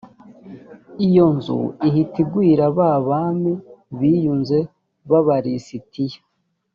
iyo nzu ihita igwira ba bami biyunze b aba lisitiya